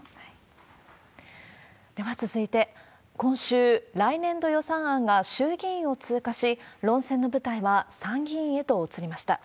では続いて、今週、来年度予算案が衆議院を通過し、論戦の舞台は参議院へと移りました。